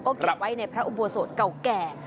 ก็เก็บไว้ในพระอุโบสถเก่าแก่